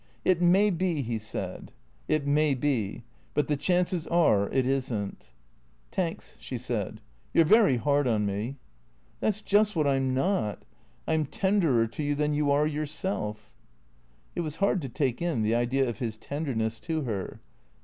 " It may be/' he said. " It may be. But the chances are it is n't." " Tanks," she said, " you 're very hard on me." " Tliat 's just what I 'm not. I 'm tenderer to you than you are yourself." It was hard to take in, the idea of his tenderness to her.